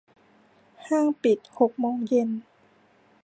ห้างปิดหกโมงเย็น